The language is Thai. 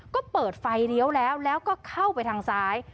ก็เปิดไฟเลี้ยวแล้วแล้วก็เข้าไปทางซ้าย